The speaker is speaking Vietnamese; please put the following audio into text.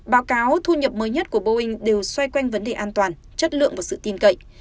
báo cáo thu nhập mới nhất của boeing đều xoay quanh vấn đề an toàn chất lượng và sự tin cậy